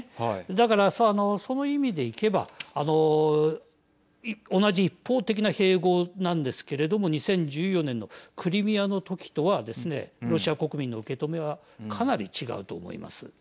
だから、その意味でいけば同じ一方的な併合なんですけれども２０１４年のクリミアの時とはですねロシア国民の受け止めはかなり違うと思います。